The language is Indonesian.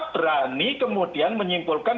berani kemudian menyimpulkan